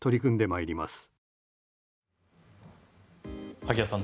萩谷さん